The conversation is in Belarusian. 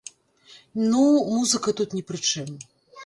Ну, музыка тут ні пры чым.